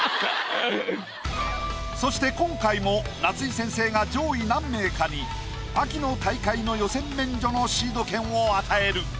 そして今回も夏井先生が上位何名かに秋の大会の予選免除のシード権を与える。